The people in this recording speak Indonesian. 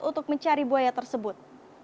untuk mencari buaya tersebut